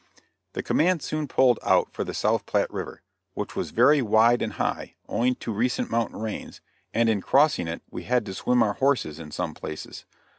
The command soon pulled out for the South Platte River, which was very wide and high, owing to recent mountain rains, and in crossing it we had to swim our horses in some places.